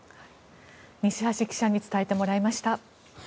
西橋記者に伝えてもらいました。